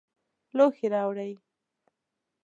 لوښي راوړئ